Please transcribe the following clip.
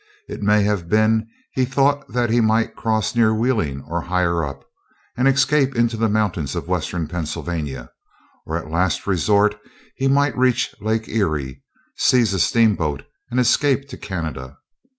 It may have been he thought that he might cross near Wheeling or higher up, and escape into the mountains of Western Pennsylvania; or as a last resort, he might reach Lake Erie, seize a steamboat, and escape to Canada.